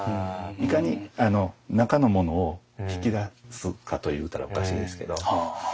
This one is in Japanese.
いかに中のものを引き出すかと言うたらおかしいですけど。